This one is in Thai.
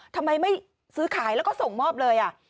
ทำไมไม่ซื้อขายแล้วก็ส่งมอบเลย